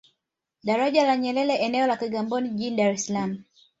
Daraja la Nyerere eneo la Kigamboni jijini Dar es salaam